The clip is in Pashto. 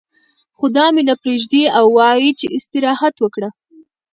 خو دا مې نه پرېږدي او وايي چې ته استراحت وکړه.